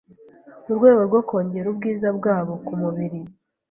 mu rwego rwo kongera ubwiza bwabo ku mubiri